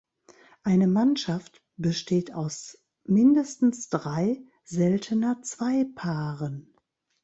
Eine Mannschaft besteht aus mindestens drei, seltener zwei Paaren.